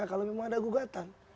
kalau memang ada gugatan